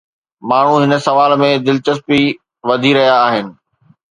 ماڻهو هن سوال ۾ دلچسپي وڌي رهيا آهن.